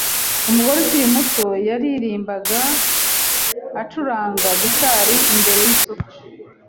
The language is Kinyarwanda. Umugore ukiri muto yaririmbaga acuranga gitari imbere yisoko